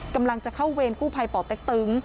กำลังจะเข้าเวรกู้ภัยป่อเต็กตึง